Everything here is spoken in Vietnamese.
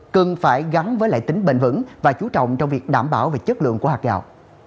cần phải gắn với lại tính bền vững và chú trọng trong việc đảm bảo về chất lượng của hạt gạo